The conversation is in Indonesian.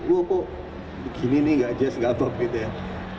lu kok begini nih gak jazz gak pop gitu ya